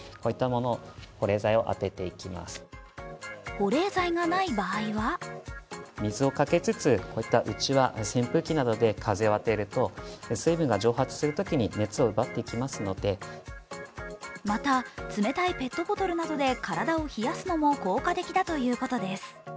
保冷剤がない場合はまた、冷たいペットボトルで体を冷やすのも効果的だということです。